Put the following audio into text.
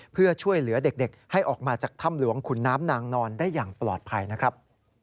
เพื่อช่วยเหลือเด็กให้ออกมาจากถ้ำหลวงขุนน้ำนางนอนได้อย่างปลอดภัยนะครับ